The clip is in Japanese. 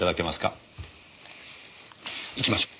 行きましょう。